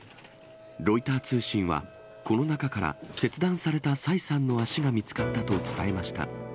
ロイター通信は、この中から、切断された蔡さんの脚が見つかったと伝えました。